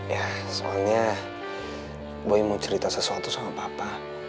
ya soalnya boy mau cerita sesuatu sama papa